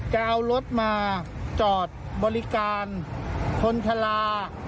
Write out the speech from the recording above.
จะเอารถมาจอดบริการคนชะลา